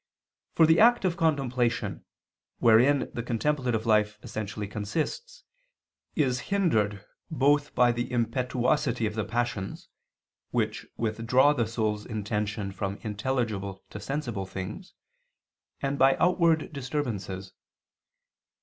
For the act of contemplation, wherein the contemplative life essentially consists, is hindered both by the impetuosity of the passions which withdraw the soul's intention from intelligible to sensible things, and by outward disturbances.